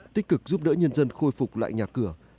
tích cực giúp đỡ nhân dân khôi phục lại nhà cửa